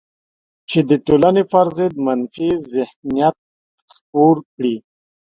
چې د ټولنې پر ضد منفي ذهنیت خپور کړي